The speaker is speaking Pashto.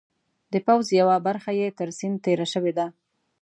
د پوځ یوه برخه یې تر سیند تېره شوې ده.